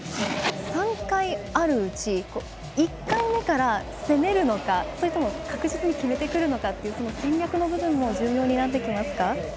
３回あるうち１回目から攻めるのか、それとも確実に決めてくるのかっていう戦略の部分も重要になってきますか？